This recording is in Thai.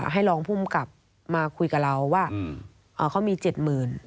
ให้รองผู้มันกลับมาคุยกับเราว่าเขามีเจ็ดหมื่น